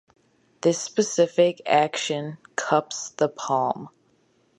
This specific action cups the palm.